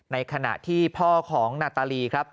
ในขณะที่พ่อของนาตาลีครับ